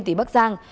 tỉnh bắc giang